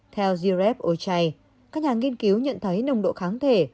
theo zili rireb ochai các nhà nghiên cứu nhận thấy nồng độ kháng thể